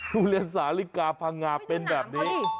โรงเรียนสาลิกาพังงาเป็นแบบนี้